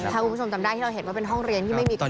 ถ้าคุณผู้ชมจำได้ที่เราเห็นว่าเป็นห้องเรียนที่ไม่มีกำหนด